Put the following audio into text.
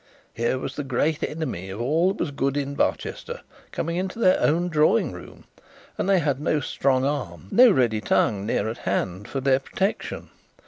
Here was the great enemy of all that was good in Barchester coming into their own drawing room, and they had not strong arm, no ready tongue near at hand for their protection.